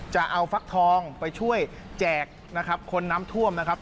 จะเอาฟักทองไปช่วยแจกนะครับคนน้ำท่วมนะครับ